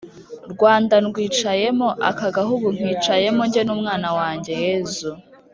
rwanda ndwicayemo, aka gahugu nkicayemo jye n’umwana wanjye yezu,